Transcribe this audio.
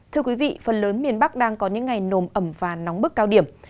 thưa quý vị phần lớn miền bắc đang có những ngày nồm ẩm và nóng bức cao điểm